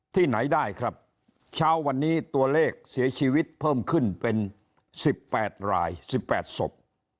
ที่ไหนได้ครับเช้าวันนี้ตัวเลขเสียชีวิตเพิ่มขึ้นเป็น๑๘ราย๑๘ศพ